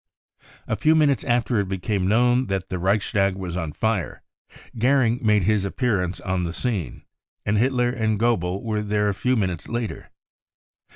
1 A few minutes after it became known that the Reichstag I was on fire, Goering made his appearance on the scene, and | Hitler and Goebbels were there a few minutes later.